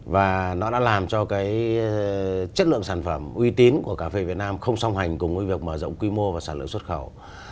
và nó đã làm cho cái chất lượng sản phẩm uy tín của cà phê việt nam không song hành cùng với việc mở rộng quy mô và sản lượng xuất khẩu